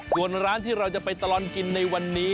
ส่วนร้านที่เราจะไปตลอดกินในวันนี้